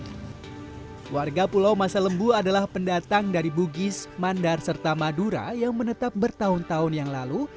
keluarga pulau masa lembu adalah pendatang dari bugis mandar serta madura yang menetap bertahun tahun yang lalu